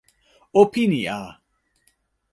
o pini a!